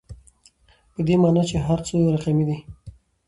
په دې معني چي هر څو رقمي عدد